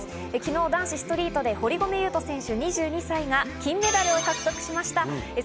昨日、男子ストリートで堀米雄斗選手２２歳が金メダルを獲得しました。